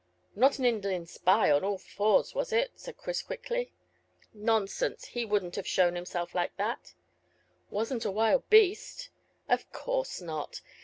"Not an Indian spy on all fours, was it?" said Chris quickly. "Nonsense! He wouldn't have shown himself like that." "Wasn't a wild beast?" "Of course not.